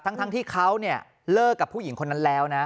ทั้งที่เขาเลิกกับผู้หญิงคนนั้นแล้วนะ